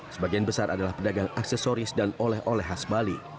sebagian besar adalah pedagang aksesoris dan oleh oleh khas bali